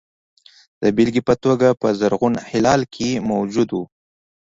د بېلګې په توګه په زرغون هلال کې موجود وو.